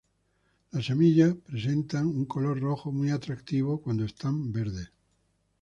Las semillas presentan un color rojo muy atractivo cuando están verdes.